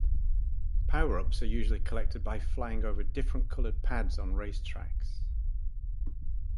Power-ups are usually collected by flying over different coloured pads on race tracks.